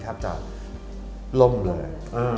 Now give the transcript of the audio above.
ทับจจาวลมเลย